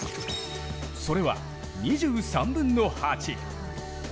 それは、２３分の８。